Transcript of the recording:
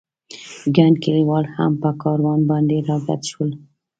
ګڼ کلیوال هم په کاروان باندې را ګډ شول.